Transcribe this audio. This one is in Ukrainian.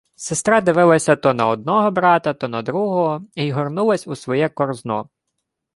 Сестра дивилася то на одного брата, то на другого й горнулась у своє корзно.